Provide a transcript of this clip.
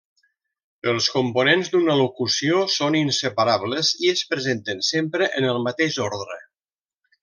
Els components d'una locució són inseparables i es presenten sempre en el mateix ordre.